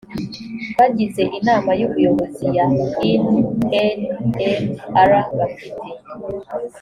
bagize inama y ubuyobozi ya inmr bafite